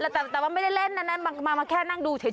แต่ว่าไม่ได้เล่นอันนั้นมาแค่นั่งดูเฉย